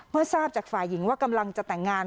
ทราบจากฝ่ายหญิงว่ากำลังจะแต่งงาน